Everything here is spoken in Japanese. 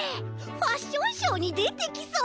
ファッションショーにでてきそう！